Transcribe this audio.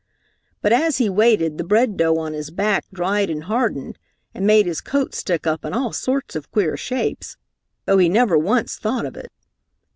But as he waited the bread dough on his back dried and hardened and made his coat stick up in all sorts of queer shapes, though he never once thought of it.